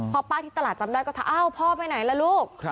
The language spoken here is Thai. พอป้าที่ตลาดจำได้ก็ถามอ้าวพ่อไปไหนล่ะลูก